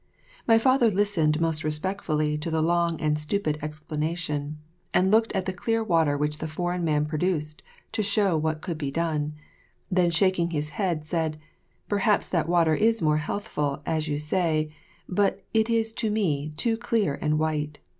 My father listened most respectfully to the long and stupid explanation, and looked at the clear water which the foreign man produced to show what could be done, then, shaking his head, said, "Perhaps that water is more healthful, as you say, but it is to me too clear and white.